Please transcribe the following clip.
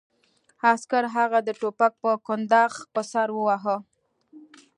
عسکر هغه د ټوپک په کنداغ په سر وواهه